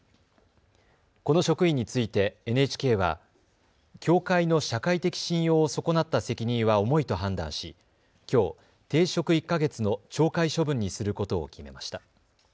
この職員についてＮＨＫは協会の社会的信用を損なった責任は重いと判断しきょう、停職１か月の懲戒処分にすることを決めました。